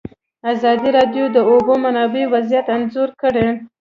ازادي راډیو د د اوبو منابع وضعیت انځور کړی.